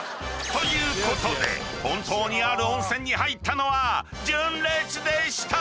［ということで本当にある温泉に入ったのは純烈でした］